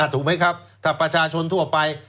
ถูกไหมครับถ้าประชาชนทั่วไป